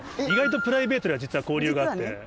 意外とプライベートでは実は交流があって。